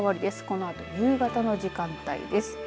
このあと夕方の時間帯です。